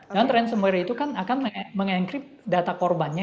dan ransomware itu akan mengencrypt data korbannya